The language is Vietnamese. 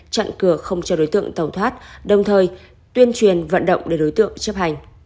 chặn cửa không cho đối tượng tẩu thoát đồng thời tuyên truyền vận động để đối tượng chấp hành